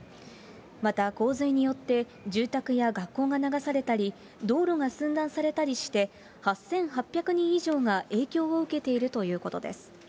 また、洪水によって住宅や学校が流されたり、道路が寸断されたりして、８８００人以上が影響を受けているということです。